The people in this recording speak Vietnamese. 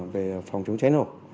về phòng chống cháy nổ